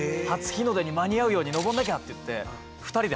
「初日の出に間に合うように登んなきゃ」って言って。